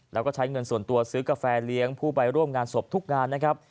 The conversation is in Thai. แล้วก็ใช้เงินส่วนตัวซื้อกาแฟเลี้ยงผู้ไปร่วมงานศพทุกงานนะครับ